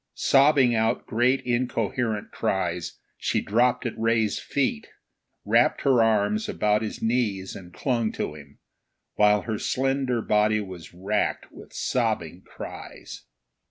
Sobbing out great incoherent cries, she dropped at Ray's feet, wrapped her arms about his knees and clung to him, while her slender body was wracked with sobbing cries.